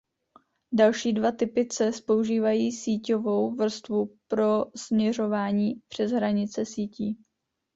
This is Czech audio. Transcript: Další dva typy cest používají síťovou vrstvu pro směrování přes hranice sítí.